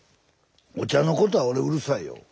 お茶のことは俺うるさいよ。